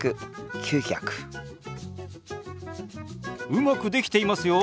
うまくできていますよ